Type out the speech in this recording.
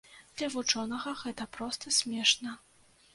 Для вучонага гэта проста смешна.